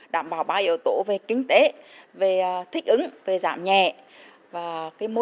đảm bảo ba yếu tố về kinh tế về thích ứng về giảm nhẹ và môi trường phải sống sạch phải bền vững phải duy trì được